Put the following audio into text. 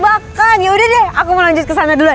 bak bakan ya udah deh aku mau lanjut ke sana duluan